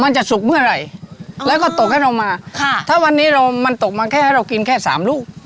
จะสุกเมื่อไหร่แล้วก็ตกให้เรามาค่ะถ้าวันนี้เรามันตกมาแค่ให้เรากินแค่สามลูก